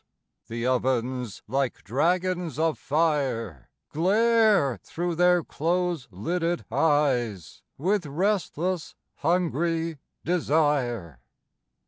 The ovens like dragons of fire Glare thro' their close lidded eyes With restless hungry desire.